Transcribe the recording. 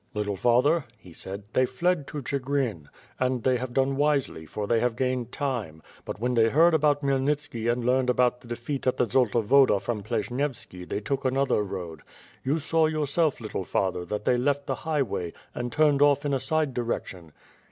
"Little father,'' he said, "they fled to Chigrin. And they have done wisely for they have gained time — ^but when they heard about Khmyelnitski and learned about the defeat at the Zolta Woda from Pleshnievski they took another road. You saw yourself, little father, that they left the highway, and turned off in a side direction.